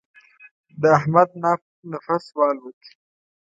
د احمد نفس والوت.